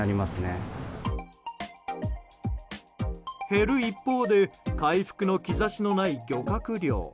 減る一方で回復の兆しのない漁獲量。